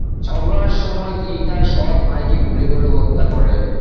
ঝগড়ার সময় তিনি তার সৎ ভাইকে গুলি করে হত্যা করেন।